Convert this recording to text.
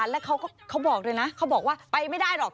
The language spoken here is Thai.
แล้วเขาก็เขาบอกด้วยนะเขาบอกว่าไปไม่ได้หรอก